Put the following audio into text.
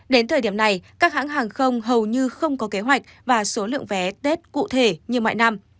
đến thời điểm này các hãng hàng không hầu như không có kế hoạch và số lượng vé tết cụ thể như mọi năm